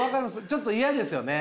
ちょっと嫌ですよね。